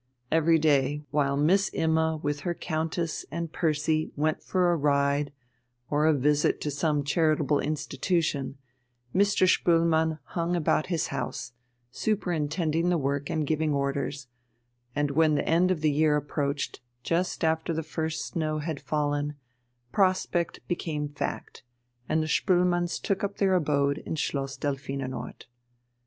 Every day, while Miss Imma with her Countess and Percy went for a ride or a visit to some charitable institution, Mr. Spoelmann hung about his house, superintending the work and giving orders, and when the end of the year approached, just after the first snow had fallen, prospect became fact, and the Spoelmanns took up their abode in Schloss Delphinenort.